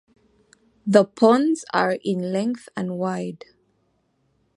The pods are in length and wide.